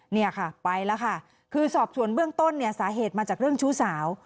เนี่ยค่ะไปแล้วค่ะคือสอบส่วนเบื้องต้นเนี่ยสาเหตุมาจากเรื่องชู้สาว